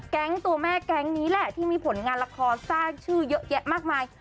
แก๊งตัวแม่แก๊งนี้แหละที่มีผลงานละครสร้างชื่อเยอะแยะมากมาย